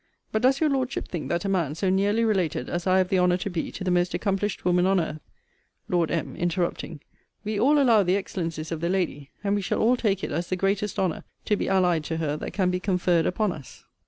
But does your Lordship think that a man, so nearly related as I have the honour to be to the most accomplished woman on earth, Lord M. (interrupting) We all allow the excellencies of the lady and we shall all take it as the greatest honour to be allied to her that can be conferred upon us.